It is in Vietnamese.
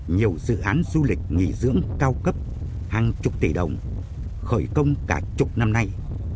nhiều dự án du lịch nghỉ dưỡng cao cấp hàng chục tỷ đồng khởi công cả chục năm nay